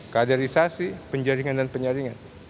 kaderisasi penjaringan dan penyaringan